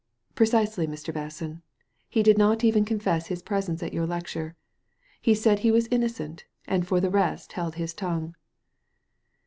" Precisely, Mr. Basson ; he did not even confess his presence at your lecture. He said he was innocent, and for the rest held his tongue."